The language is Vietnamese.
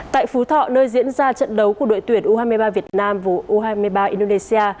tại phú thọ nơi diễn ra trận đấu của đội tuyển u hai mươi ba việt nam u hai mươi ba indonesia